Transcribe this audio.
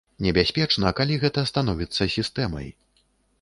Небяспечна, калі гэта становіцца сістэмай.